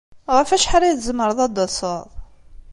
Ɣef wacḥal ay tzemreḍ ad d-taseḍ?